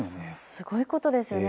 すごいことですよね。